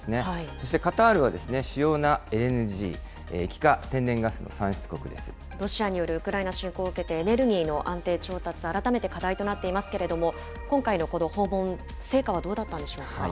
そしてカタールは、主要なＬＮＧロシアによるウクライナ侵攻を受けて、エネルギーの安定調達、改めて課題となっていますけれども、今回のこの訪問、成果はどうだったんでしょうか？